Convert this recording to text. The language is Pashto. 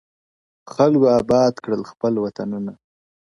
خلکو آباد کړل خپل وطنونه -